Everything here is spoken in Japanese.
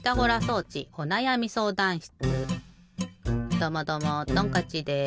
どうもどうもトンカッチです！